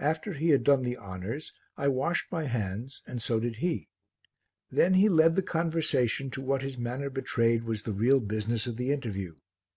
After he had done the honours I washed my hands and so did he; then he led the conversation to what his manner betrayed was the real business of the interview.